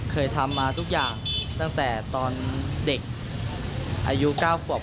เคยทำมาทุกอย่างตั้งแต่ตอนเด็กอายุ๙ขวบ